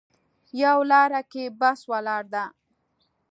په لاره کې بس ولاړ ده